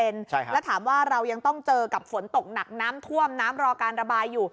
แล้วถามว่าเรายังต้องเจอกับฝนตกหนักน้ำท่วมน้ำรอการระบายอยู่